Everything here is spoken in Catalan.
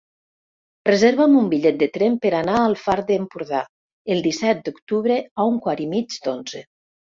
Reserva'm un bitllet de tren per anar al Far d'Empordà el disset d'octubre a un quart i mig d'onze.